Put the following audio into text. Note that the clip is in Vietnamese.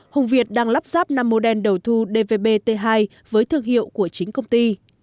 hùng việt đang lắp ráp năm mô đen đầu thu dvbt hai với thương hiệu của chính công ty